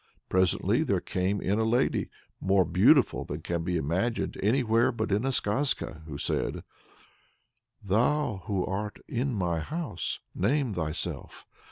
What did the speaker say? Presently there came in a lady, more beautiful than can be imagined anywhere but in a skazka, who said: "Thou who art in my house, name thyself!